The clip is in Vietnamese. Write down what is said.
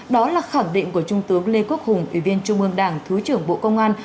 đó là khẳng định của trung tướng lê quốc hùng ủy viên trung ương đảng thứ trưởng bộ công an